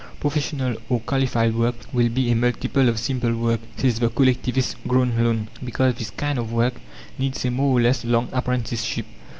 "Professional, or qualified work, will be a multiple of simple work," says the collectivist Grönlund, "because this kind of work needs a more or less long apprenticeship."